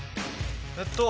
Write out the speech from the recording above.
えっと